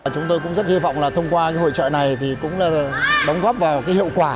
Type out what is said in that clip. chúng tôi cũng rất hy vọng là thông qua cái hội trợ này thì cũng là đóng góp vào cái hiệu quả